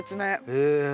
へえ。